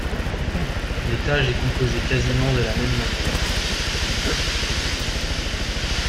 L'étage est composé quasiment de la même manière.